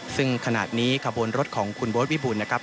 ซึ่งขณะนี้ขบวนรถของคุณโบ๊ทวิบูลนะครับ